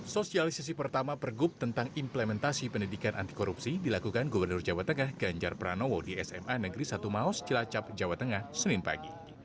sosialisasi pertama pergub tentang implementasi pendidikan anti korupsi dilakukan gubernur jawa tengah ganjar pranowo di sma negeri satu maus cilacap jawa tengah senin pagi